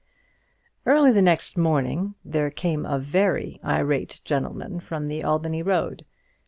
Early the next morning there came a very irate gentleman from the Albany Road.